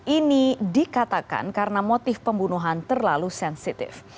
ini dikatakan karena motif pembunuhan terlalu sensitif